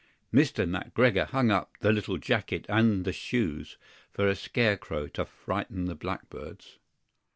MR. McGREGOR hung up the little jacket and the shoes for a scare crow to frighten the blackbirds.